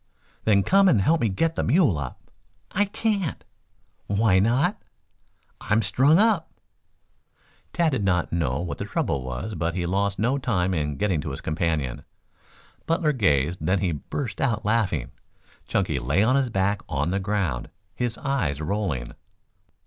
"Then come and help me get the mule up." "I can't." "Why not?" "I'm strung up." Tad did not know what the trouble was, but he lost no time in getting to his companion. Butler gazed, then he burst out laughing. Chunky lay on his back on the ground, his eyes rolling.